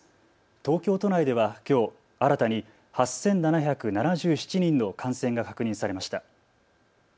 東京都内ではきょう新たに８７７７人の感染が確認されました。